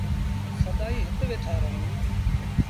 سدائيٚݩ هت ويٚٺآ رهون ۔